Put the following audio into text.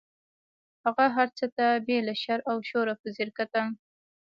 هغه هر څه ته بې له شر او شوره په ځیر کتل.